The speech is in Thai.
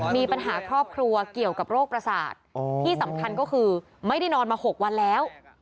มีปัญหาครอบครัวเกี่ยวกับโรคประสาทที่สำคัญก็คือไม่ได้นอนมา๖วันแล้ว